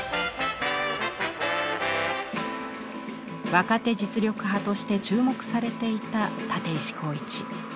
若手実力派として注目されていた立石紘一。